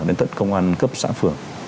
đến tận công an cấp xã phường